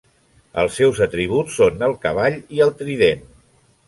Els seus atributs són el cavall i el trident.